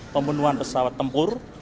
pembangunan pesawat tempur